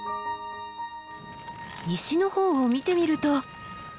西の方を見てみると。